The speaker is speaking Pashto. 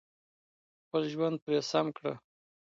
خپل ژوند پرې سم کړو.